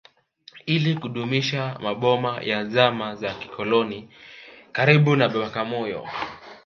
Ili kudumisha maboma ya zama za kikoloni karibu na Bagamoyo